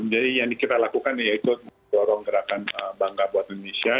jadi yang dikira lakukan yaitu dorong gerakan bangga buat indonesia